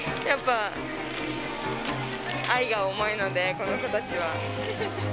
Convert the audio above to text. やっぱ、愛が重いので、この子たちは。